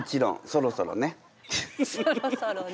そろそろね。